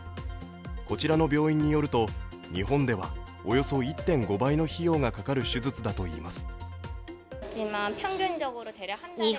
こちらの病院によると、日本ではおよそ１．５倍の費用がかかる手術だといいます。